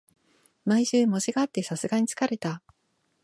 毎週、模試があってさすがに疲れた